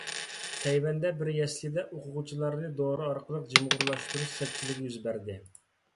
تەيۋەندە بىر يەسلىدە ئوقۇغۇچىلارنى دورا ئارقىلىق جىمىغۇرلاشتۇرۇش سەتچىلىكى يۈز بەردى.